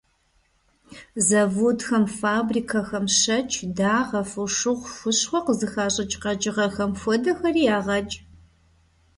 Заводхэм, фабрикэхэм щэкӀ, дагъэ, фошыгъу, хущхъуэ къызыщыхащӀыкӀ къэкӀыгъэхэм хуэдэхэри ягъэкӀ.